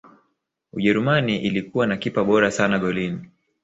ujerumani ilikuwa na kipa bora sana golini